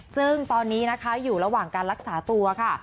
ซึ่งตอนนี้นะคะอยู่ระหว่างการรักษาตัวค่ะ